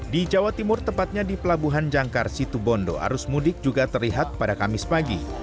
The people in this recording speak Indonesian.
di jawa timur tepatnya di pelabuhan jangkar situbondo arus mudik juga terlihat pada kamis pagi